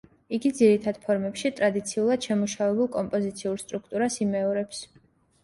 იგი ძირითად ფორმებში ტრადიციულად შემუშავებულ კომპოზიციურ სტრუქტურას იმეორებს.